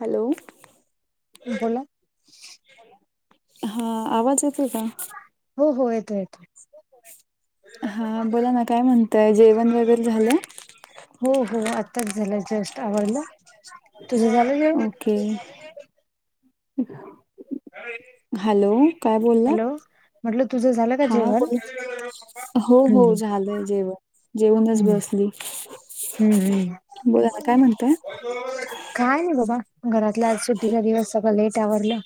Hello, बोलां. हां आवांज येतोय कां हो हो येतोय येतोय. हां बोलां नां कायं म्हणतांय जेवणं वगैरें झालं. हो हो आतांच झालंय जस्टं आवरलं तुझं झालं जेवणं. ओके हॅलो कायं बोललांत. हॅलो म्हटलं तुझं झालं का हां जेवण बोलं हो हो हम्म झालंय जेवणं जेवूंनच हम्म बसली. बोलां आंता कायं म्हणतांय कायं नाहीं बाबां घरांतला आंज सुुद्धीचा दिवसं सगळं लेट आवरलं.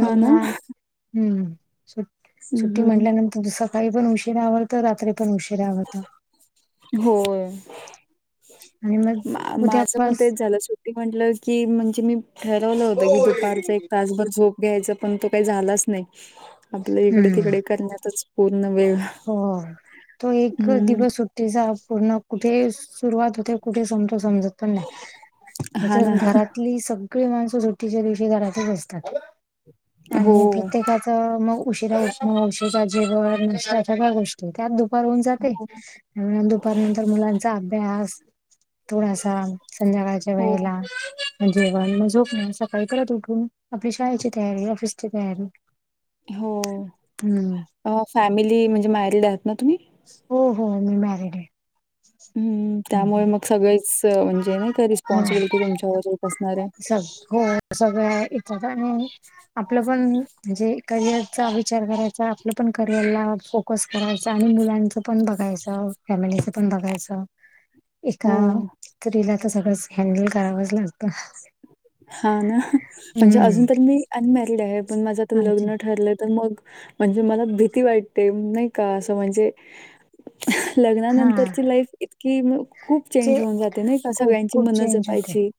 हा ना हम्मं हम्म सुट्टी हम्म म्हटल्यांनंतर तुमचं सकाळीं पणं उशीरा आवरंत रात्री पणं उशीरा आवरंत. होयं ज [unintelligible] माझं पणं तेचं झालं सुट टि म्हंटलं की म्हणजे मी ठरवलं होतं की दुपारचं एक तास भरं झोंप घ्यायचं पणं तो कांहीं झाल्याचं नाहीं आपलं ईकडे हम्म तिकडे करण्यांतच पूर्ण वेळं हो तो एक दिवसं चां पूर्ण कुंठे सुंरुवात होते कुंठे संपतो समजतं नाहीं पणं नाहीं हा ना त्यांथ घरांतली सगळीं माणसं सुट्टीच्या दिवशी घरांतच असतांत. हो आणि प्रत्येकाचं मंग उशिरा ऊटनं उशीरा जेवणं नं सगळ्यां गोष्टी त्यांत दुंपार होऊन जाते दुपांरनंतर मुलांचा अभ्यास थोडांसा संध्याकांळच्या हो वेळेला. जेव्हांण मं झोप नाहीं सकाळीं परंत उठूंन आपली शाळेची तयारी ऑफिसची तयारी हम्म हो फॅमिली म्हणजे मॅरीड आहांत नां तुम्हीं हो हो मी मॅरिड आहे हम्मं त्यांमुळे मंग सगळेच म्हणजे नाहीं कां रिस्पॉन्सिबिलिटी तुमच्यांवर येतं असणारं आहे चालं हो अं ग इत [unintelligible] आपलं पणं म्हणजे करिअरचा विचार करांयचा आपलं पणं करिअरला फ कसं करायचं आणि मुलांचं पणं बघायचं फॅमिलीच पणं बघायचं ह [unintelligible] एकां स्त्रीला तरं सगळंच हँनडल करावंच लागतं हां नां म्हणजे हम्म अजूंन तरी मी अनमॅरिड आहे पणं माझं तरं अच्छा. लग्नं ठरलं तरं मंग म्हणजे मलां भीती वाटते नाहीं कां असं म्हणजे हा लग्नानंतरची लाईफ इतकी म खूप ते चेंज होऊन जाते नाही का खूप सगळ्यांची खूप मनं चेंज होते जपायची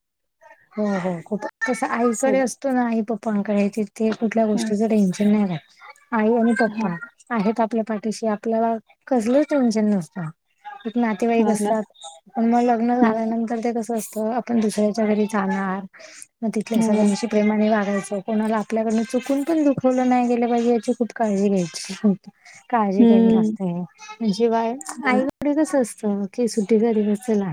हो हो खूप तसं आईकडे सग असतो ना आई पप्पांकडे ति थे कुठल्या हां, गोष्टीचं टेन्शन नाही राहत आई आणि हां, पप्पा आहेत आपल्या पाठीशी आपल्याला कसलंच टेन्शन नसतं एक नातेवाईक हां ना. असतात. पण म लग्न हं, झाल्यानंतर ते कसं असतं आपण दुसऱ्याच्या घरी जाणार म तिथल्या हो. सगळ्यांशी प्रेमाणे वागायचं कोणाला आपल्याकडनं चुकून पण दुखवलं नाय गेलं पाहिजे याची खूप काळजी घ्यायची. काळजी घ्यावी हं. लागते पण जेव्हा हां ना. आईकडे कस असतं की सु ट्टीचा दिवस चला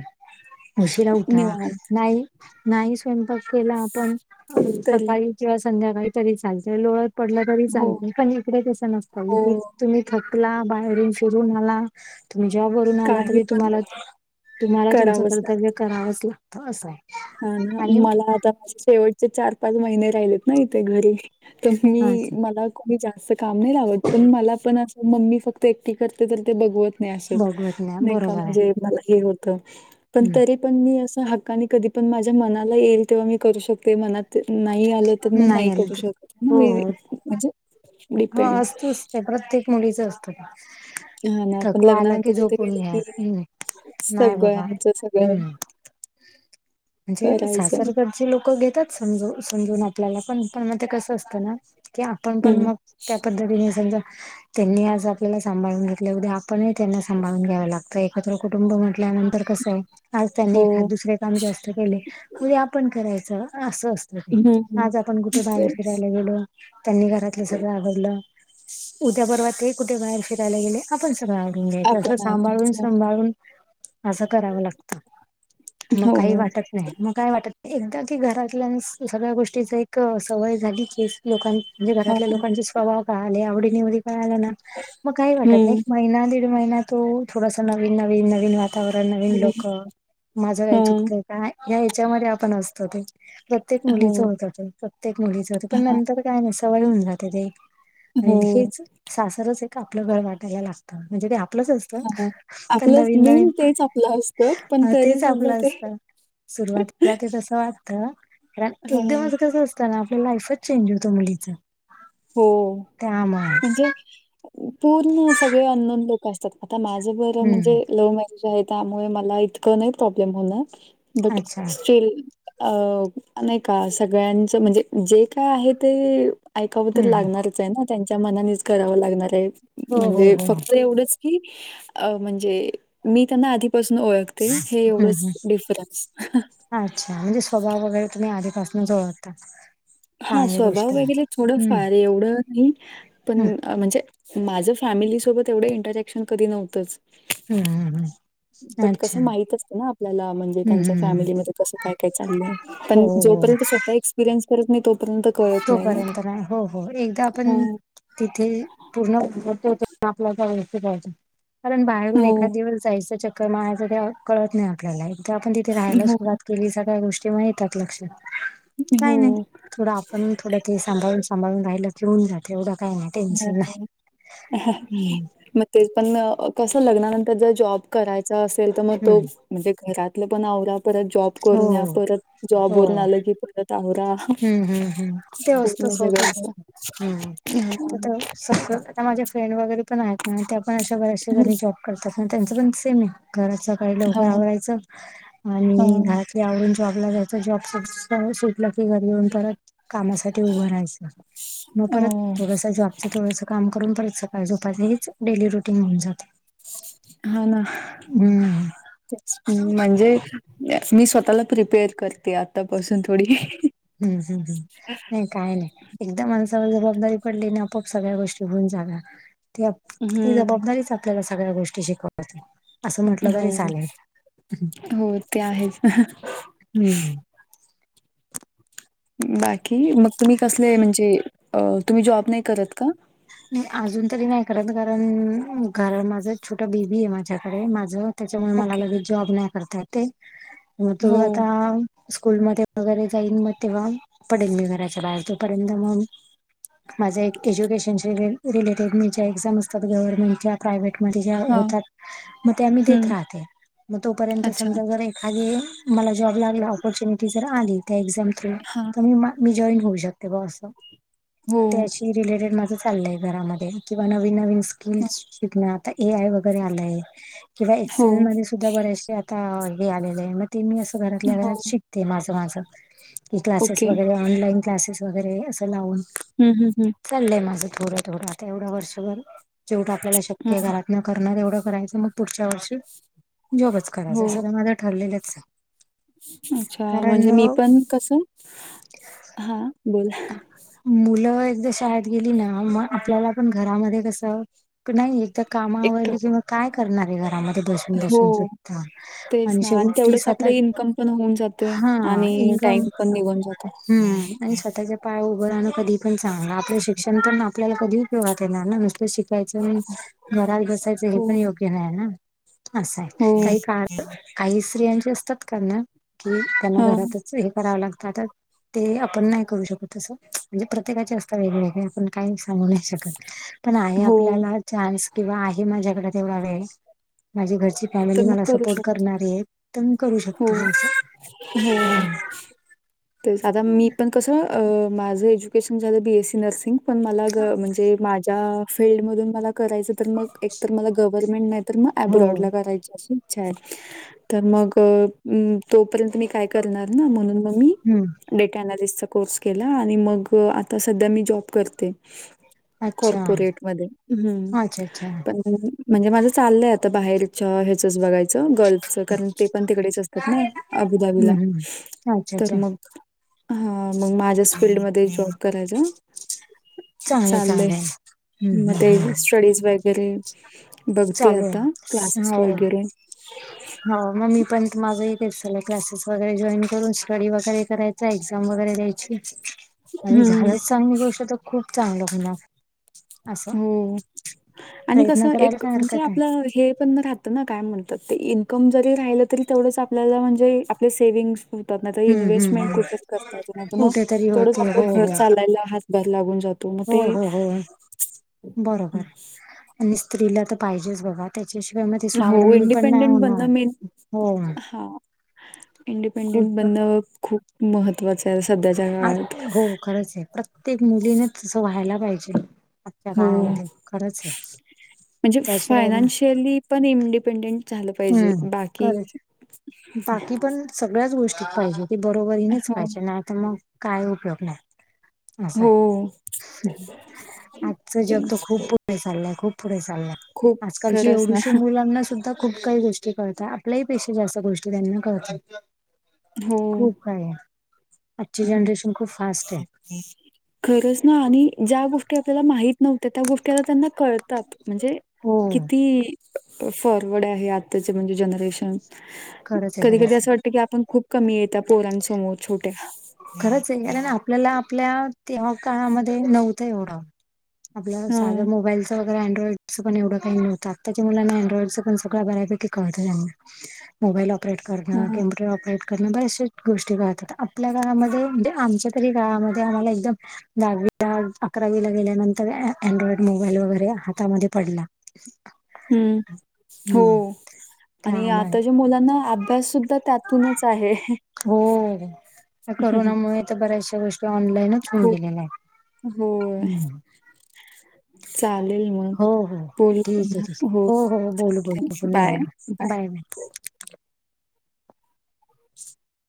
उशिरा उठा, निवांत नाही नाही स्वयंपाक केला आपण तरी. सकाळी किंवा संध्याकाळी तरी चालत. लोळत पडलं तरी हो, चालते. पण इकडे तसं नसतं इथे हो. तुम्ही थकला, बाहेरून फिरून आला तुम्ही जॉबवरून आला काही तरी पण तुम्हाला होऊ दे. तुम्हाला तुमचं करावंच लागतं. कर्तव्य करावंच लागतं असंय. हा ना मला आता शेवटचे चार पाच महिने राहिलेत ना इथे घरी तस मी हाच मला कुणी जास्त काम नाय लावत पण मला पण मम्मी फक्त एकटी करते तरी ते बघवत नाही असं भगवत ना नाय का बरोबर आहे म्हणजे मला हे हो त पण हम्म तरी पण मी अस हक्काने कधी पण माझ्या मनाला येईल तेव्हा मी करू शकते मनात त नाही आलं तर म नाही आलं करू तर शकत हाय ना हो मी हो म्हणजे हा डिपेंड असतच ते प्रत्येक मुलीच असत कामं हा ना पण लग्नानंतर तिथे गेले की हम्म नाही बाबा सगळ्यांच सगळं [inaudible] हम्म म्हणजे करायचं सासरकडची लोकं घेतात समजव समजून आपल्याला पण पण म ते कस असत ना की आपण पण हं म त्या क घडीने समजा त्यांनी आज आपल्याला सांभाळून घेतल्या उदया आपण ही त्यांना सांभाळून घ्याव लाग एकत्र कुटुंब म्हटल्यानंतर कसंय आज त्यांनी हो एखाद दुसऱ्या कामं जास्त केले तरी आपण करायचं अस अस तेच हं ना हं आज आपण कुठे बाहेर तेच फिरायला गेलो त्यांनी घरातलं सग ळ आवरलं उद्या परवा ते कुठे बाहेर फिरायला गेले आपण सगळं आून घ्यायचं. असं आपण सांभाळून आवरायचं सांभाळून असं करावं लागतं. मग हो. काही वाटत नाही म काय वाटत एकदा की घरातल्यां सगळ्या गोष्टीचा एक सवय झाली की लोकां म्हणजे हो. घरात लोकांचे स्वभाव कळाले आवडी निवडी ककळाल्यां ना म काही वाटत नाय हं, एक महिना दिड महिना तो थोडासा नवीन नवीन नवीन वातावरण नवीन हं. लोक माझं काय हां. चुकतंय काय ह्या ह्याच्यामध्ये आपण असतो ते प्रत्येक हो, मुलीच होत ते प्रत्येक मुलीच होत पण नंतर काय नाय सवय होऊन जाते ते आणि हो. हेच सासरच एक आपलं घर वाटायला लागतं म्हणजे ते आप आपलंच असत. हां. पण आपलंच नवीन मेन नवीन तेच आपलं असतं, पण म तेच तरीसुद्धा आपलं ते असतं. सुरुवातीला ते तस वाट त [unintelligible] हां. एकदमच कसं असतं ना आपल लाईफच चेंज होतं मुलीच हो त्यामुळेच म्हणजे पूर्ण सगळे अंणोन लोक असतात आता माझं बर हम्म म्हणजे लव मॅ रेंज त्यामुळे मला इतकं नाही प्रॉब्लेम होणार बट अच्छा स्टील अ नाय का सगळ्यांचं म्हणजे जे काय आहे ते ऐक टकाव तर हम्म हम्म लागणारचे ना. त्यांच्या मनानेच करावं लागणारे हो हो म्हणजे हो फक्त एवढंच की, म्हणजे मी त्यांना आधीपासून ओळख ते. हे हम्म एवढंच हम्म डिफरन्स. अच्छा, म्हणजे स्वभाव वगैरे तुम्ही आधीपासून ओळखता. हा चांगली स्वभाव गोष्ट आहे वगैरे थोडं हम्म फार एवढं नाही. पण हम्म म्हणजे माझं फॅमिलीसोबत एवढं इंटरॅक्शन कधी नवतंच. हम्म हम्म हम्म. बट अच्छा कसं माहित असतं ना आपल्याला. म्हणजे हम्म त्यांच्या हम्म फॅमिलीमध्ये कसं काय काय चाललंय? हो पण हो हो. जोपर्यंत स्वतः एक्सपिरियन्स करत नाही, तो तोपर्यंत नाही. हो हो. एकदा हा. आपण तिथे पूर्णत आपल्या व्यवस्थित [unintelligible] कारण बाहेरून हो, एखाद दीवस जायचं. चक्कर माारायचं. ते कळत नाही आपल्याला. एक तर आपण तिथे राहायला हो, सुरुवात कर पूर्वीच्या काही गोष्टी येतात म लक्षात. काय हो. नाही थोडं आपण थोडं ते सांभाळून सांभाळून राहिलं घेऊन जात. एवढं काही नाय हो, टेन्शन नाय. हम्म. ते पण कसं, लग्नानंतर जर जॉब करायचा असेल, तर मग तो हम्म म्हणजे घरातलं पण अवरा. परत जॉब हो करून या. परत जॉब हो वरुन आलं की, परत आवरा. हम्म हम्म हम्म ते असतच [unintelligible] सगळ अस. हम्म. सगळ आता माझे फ्रेंड वगैरे पण आहेत ना. त्या पण अशा बऱ्याचशा जणी जॉब करतात. त्यांचं पण सेमे. घराच सकाळी लवकर हा. आवरायचं. हा. आणि आवरून जॉबला जायचं. जॉब सुटल घरी येऊन परत कामासाठी उभं राहायचं. मग परत हो. थोडस, जॉबचं थोडस काम करून परत सकाळ झोपाच. हेच डेली रुटीन होऊन जाते. हा ना. हम्म हम्म म्हणजे मी स्वतःला प्रिपेअर करते आतापासून थोडी. हम्म हम्म हम्म. नाही काही नाय. एकदा माणसावर जबाबदारी पडली ना, आपोआप सगळ्या गोष्टी होऊन जाणार. ती आप, ती हम्म. जबाबदारीच आपल्याला सगळ्या गोष्टी शिकवणार. हो. हो ते आहेच. हम्म. बाकी मग तुम्ही कसले म्हणजे तुम्ही जॉब नाही करत का? अजून तरी नाही करत. कारण घर माझं छोटं बेबीय माझ्याकडे माझं. त्याच्यामुळे मला ओके लगेच जॉब नाही करता येते. मग तो हो आता स्कूल मध्ये वगैरे जाईन. मग तेव्हा पडेल मी घराच्या बाहेर. तोपर्यंत मग माझे एज्युकेशन रिलेटेड मी ज एक्झाम असतात. गव्हर्नमेंटच्या प्रायव्हेटमध्ये ज्या हा होतात. म त्या मी देत हम्म राहते. म तोपर्यंत अच्छा समजा जर एखादी मला जॉब लागला. ऑपॉर्च्युनिटी जर आली त्या एक्झाम थ्रू. हा तर मी मा मी जॉईन होऊ शकते बा अस. हो त्याची रिलेटेड माझ चालय घरामध्ये. किंवा नवीन नवीन स्किल् शिकण. आता ए आय वगैरे आलंय. किंवा हो एक्सेल मध्ये सुद्धा बर्याचसे आता हे आलेलेय. म ते मी असं घरातल्या हो घरात शिकते माझं माझं. की क्लासेस ओके वगैरे ऑनलाईन क्लासेस वगैरे असं लावून. हम्म हम्म हम्म चाललंय माझं थोडं थोडं आता एवढं वर्षभर जेवढ आपल्याला शक्य आहे हम्म घरात करणार एवढं करायचं मग पुढच्या वर्षी जॉबच करायच हो असं तर माझं ठरलेलंच आहे. अच्छा म्हणजे मी कारण पण कसं, हा बोला- मुलं एकदा शाळेत गेली ना मग आपल्याला पण घरामध्ये कसं, नाही एकदा एकट कामाआवरली की मग काय करणार आहे घरामध्ये बसून. हो बसून सुद्धा तेच ना आणि शेवटी तेवढंच आपलं स्वतः इन्कम पण होऊन जाते हा आणि इन्कम टाइम पण निघून जातो. हम्म आणि स्वतःच्या पाया उभं रासने कधी पण चांगलं. आपलं शिक्षण पण आपल्याला कधी उपयोग येणार ना नुस शिक्षण, याचं घरात बसायचं हे हो पण योग्य नाही ना. असं हो आहे काही का काही स्त्रियांचे असतात कारण, कि त्यांना हा घरातच हे करावं लागतं, आता ते आपण नाही करू शकत तसं म्हणजे प्रत्येकाचे असत वेगवेगळे आपण- काही सांगू नाही शकत पण आहे हो आपल्याला चान्स किंवा आहे माझ्याकडे तेवढा वेळ माझी घरची फॅमिली तर मग मला करू सपोर्ट शकतो. करणारी आहे. तम करू शकतो हो, ह [inaudible] तर आता मी पण कसं माझं एज्युकेशन झालं बीएससी नर्सिंग. पण मला गं म्हणजे माझ्या फिल्ड मधून मला करायचं. तर मग एक तर मला गव्हर्नमेंट नाही तर मग हो अब्रॉडला करायची अशी इच्छा आहे. तर मग अ तोपर्यंत मी काय करणार ना म्हणून मग मी, हम्म डेटा अनालिस्टचा कोर्स केला आणि मग आता सध्या मी जॉब करते. अच्छा कॉर्पोरेट मध्ये, हम्म अच्छा अच्छा पण म्हणजे माझं चाललंय आता बाहेरच्या ह्याचच बघायचं गर्ल्फचं कारण, ते पण तिकडेच असतात ना हम्म अबुधाबीला हम्म अच्छा तर अच्छा मग हा मग माझ्याच फीलडमध्येध्ये जॉब करायचा. चांगलं चाललंय चांगलं हम्म मग ते हम्म हम्म स्टडीज वगैरे, बघते चालू आता आहे क्लासेस हो वगैरे. हो मग् ममी पण माझं एक क्लासेस वगैरे जॉईन करून स्टडी वगैरे करायचं जायचं एक्झाम वगैरे द्यायची आणि हम्म झालंच चांगली गोष्ट तर खूप चांगलं होणार. असं हो आणि कस प्रयत्न करायला एक काय म्हणजे हरकत आहे आपलं, हे पण राहत ना काय म्हणतात ते इन्कम जरी राहिलं तरी तेवढंच आपल्याला म्हणजे आपले सेव्हंग् हम्म हम्म इन्व्हेस्टमेंट कुठं करता, हम्म मग कुठेतरी थोड होते आपलं हो घर हो चालायला हात भारी लागून जातो. मग हो ते हो हो बरोबर आणि स्त्रीला तर पाहिजेच बघा. त्याच्याशिवाय मध्ये हो स्वावलंबी पण नाही इंडिपेंडेंट होणार. बनणं मेन हो हा इंडिपेंडेंट खूप बंनन खूप महत्वाचं आहे संध्याच्या आ- काळात. हो खरंच आहे. प्रत्येक मुलीने तसं व्हायला पाहिजे. ह्या हो काळामध्ये खरंच आहे म्हणजे त्याशिवाय ना फायनान्शियली पण इंडिपेंडेंट झालं पाहिजे, हम्म बाकी सगळ्यांचं गोष्टी पाहिजे, ती बरोबरीनेच हो पाहिजे नाही आता मग काय उपयोग नाही. असं हो आहे आजचा जग तर तेच खूप पुढे चाललाय खूप पुढे चाललाय. खूप आजकालची खरंच ना एवढीशी मुलांना सुद्धा खूप काही गोष्टी कळतात आपल्याही पेक्षा जास्त गोष्टी त्यांना कळतात.. हो खूप काय आहे. आजची हं. जनरेशन खूप फास्ट आहे. खरंच ना आणि ज्या गोष्टी आपल्याला माहित नव्हत्या. तर त्या गोष्टीला त्यांना कळतात, म्हणजे हो किती- फॉरवर्ड आहे आताचे म्हणजे जनरेशन, खरंच आहे कधी, खरंच कधी असं आहे वाटतं की आपण खूप- कमीये त्या पोरांसमोर छोट्या. खरंच आहे. कारण, आपल्याला आपल्या तेव्हा काळामध्ये नव्हतं एवढं. आपलं ह साधं मोबाईल- वगैरे अँड्रॉइड पण च एवढं काही आता. आत्ताच्या मुलांना अँड्रॉइडच पण सगळं बऱ्यापैकी कळत त्यांना. [inaudible] मोबाईल ऑपरेट करन, ह कम्प्युटर ऑपरेट करन, बऱ्याचश गोष्टी कळतात, आपल्या- काळामध्ये म्हणजे, आमचे तरी काळामध्ये आम्हाला एकदम- दहावीला, [unintelligible] अकरावीला गेल्यानंतर अँड्रॉइड मोबाईल वगैरे, हातामध्ये पडला. [inaudible] हम्म, हम्म हो आणि त्यामुळे आताच्या मुलांना अभ्यास सुद्ध- द्धा त्यातूनच आहे. हो, त्या करोनामुळे तर बऱ्याचशा गोष्टी- ऑनलाईनच होऊन खूप गेलेला होय. आहे. [inaudible] चालेल मग, हो हो बोल ठीक आहे पुन्हा ठीक आहे हो बोलू बोलू चालेल. पुन्हा बोलू बाय बाय बाय-बाय. [inaudible]